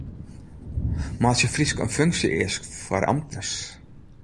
Meitsje Frysk in funksje-eask foar amtners.